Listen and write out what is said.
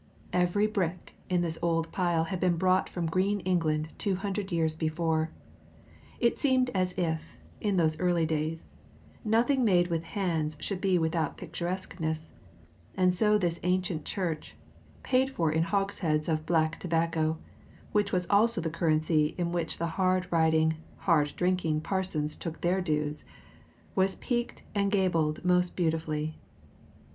Every brick in this old pile had been brought from green England two hundred years before. It seemed as if, in those early days, nothing made with hands should be without picturesqueness; and so this ancient church, paid for in hogsheads of black tobacco, which was also the currency in which the hard riding, hard drinking parsons took their dues, was peaked and gabled most beautifully.